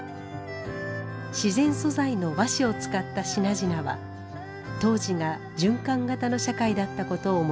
自然素材の和紙を使った品々は当時が循環型の社会だったことを物語ります。